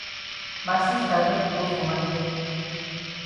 Ma sista no be go for maket.